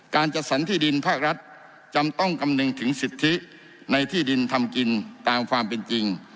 จัดสรรที่ดินภาครัฐจำต้องคำนึงถึงสิทธิในที่ดินทำกินตามความเป็นจริง